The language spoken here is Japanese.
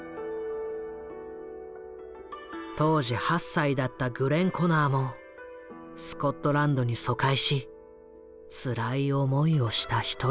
当時８歳だったグレンコナーもスコットランドに疎開しつらい思いをした一人だ。